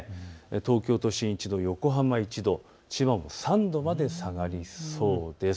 東京都心１度、横浜１度、千葉も３度まで下がりそうです。